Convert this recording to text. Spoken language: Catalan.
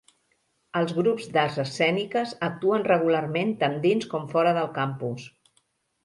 Els grups d'arts escèniques actuen regularment tant dins com fora del campus.